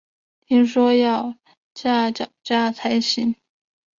听说要架脚架才行